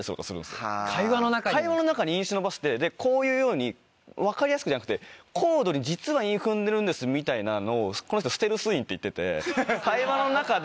会話の中に韻忍ばせてこういうように分かりやすくじゃなくて高度に実は韻踏んでるんですみたいなのをこの人。って言ってて会話の中で。